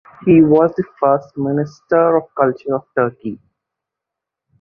He was the first Minister of Culture of Turkey.